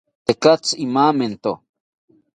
Tekatzi imamento